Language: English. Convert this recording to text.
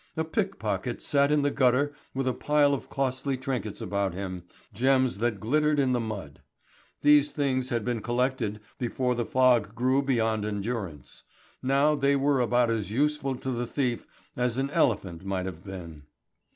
A pickpocket sat in the gutter with a pile of costly trinkets about him, gems that glittered in the mud. These things had been collected before the fog grew beyond endurance. Now they were about as useful to the thief as an elephant might have been.